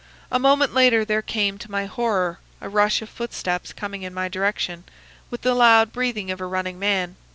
A moment later there came, to my horror, a rush of footsteps coming in my direction, with the loud breathing of a running man.